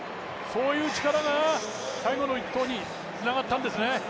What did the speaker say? そういう力が最後の一投につながったんですね。